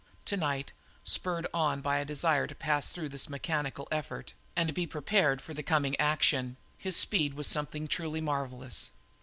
To night, spurred on by a desire to pass through this mechanical effort and be prepared for the coming action, his speed was something truly marvellous.